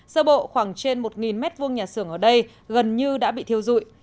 sơ bộ khoảng trên một m hai nhà xưởng ở đây gần như đã bị thiêu dụi